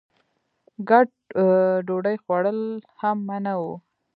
ګډ ډوډۍ خوړل هم منع وو.